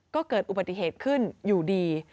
ก็เกิดอุบัติเหตุขึ้นอยู่ดี